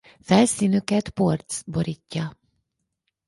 Felszínüket porc borítja.